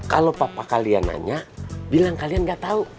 kalau papa kalian nanya bilang kalian gak tahu